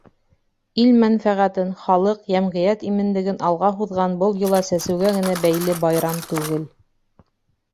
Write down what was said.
Ил мәнфәғәтен, халыҡ, йәмғиәт именлеген алға һуҙған был йола сәсеүгә генә бәйле байрам түгел.